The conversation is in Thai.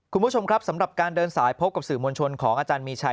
คุณผู้ชมครับสำหรับการเดินสายพบกับสื่อมวลชนของอาจารย์มีชัย